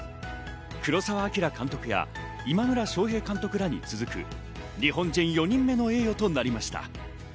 黒澤明監督や今村昌平監督らに続く、日本人４人目の栄誉となりました。